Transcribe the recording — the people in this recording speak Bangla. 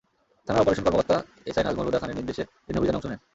থানার অপারেশন কর্মকর্তা এসআই নাজমুল হুদা খানের নির্দেশে তিনি অভিযানে অংশ নেন।